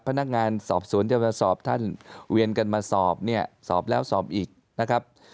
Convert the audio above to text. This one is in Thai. พนักงานสอบสวนจะมาสอบท่านเวียนกันมาสอบเนี่ยสอบแล้วสอบอีกนะครับ